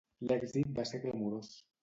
L'èxit va ser clamorós.